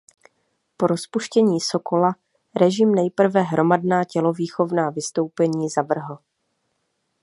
Po rozpuštění Sokola režim nejprve hromadná tělovýchovná vystoupení zavrhl.